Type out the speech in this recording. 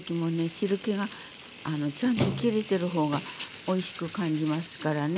汁けがちゃんと切れてる方がおいしく感じますからね。